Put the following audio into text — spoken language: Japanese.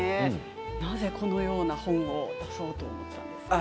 なぜこのような本を出そうとしたんですか？